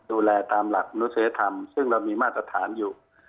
ดูแลตามหลักมนุษยธรรมซึ่งเรามีมาตรฐานอยู่